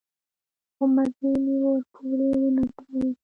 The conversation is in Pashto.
خو مزي مې ورپورې ونه تړل.